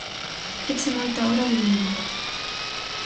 éche moita hora de ir indo...